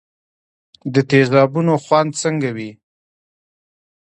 د تیزابو خوند څنګه وي.